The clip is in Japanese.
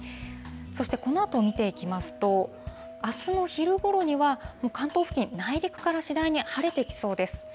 そしてこのあとを見ていきますと、あすの昼ごろには、関東付近、内陸から次第に晴れてきそうです。